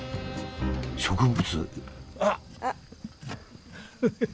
植物？